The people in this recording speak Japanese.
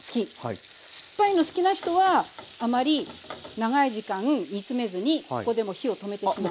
酸っぱいの好きな人はあまり長い時間煮詰めずにここでもう火を止めてしまいます。